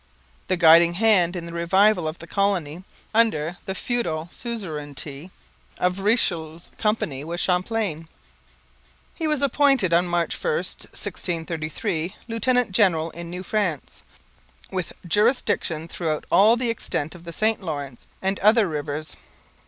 The guiding hand in the revival of the colony, under the feudal suzerainty of Richelieu's company, was Champlain. He was appointed on March 1, 1633, lieutenant general in New France, 'with jurisdiction throughout all the extent of the St Lawrence and other rivers.'